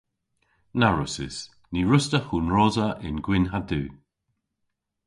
Na wrussys. Ny wruss'ta hunrosa yn gwynn ha du!